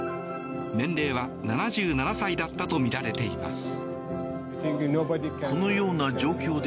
年齢は７７歳だったとみられています。